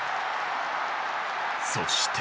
そして。